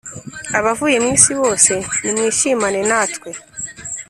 Abavuye mu isi bose nimwishimane natwe